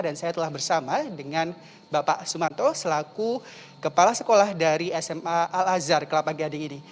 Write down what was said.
dan saya telah bersama dengan bapak sumanto selaku kepala sekolah dari sma al azhar kelapa gading ini